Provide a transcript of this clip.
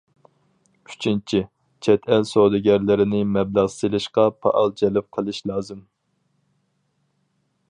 ئۈچىنچى، چەت ئەل سودىگەرلىرىنى مەبلەغ سېلىشقا پائال جەلپ قىلىش لازىم.